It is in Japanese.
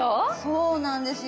そうなんですよ。